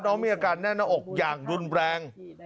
น้องมีอาการแน่นหน้าอกอย่างรุนแรง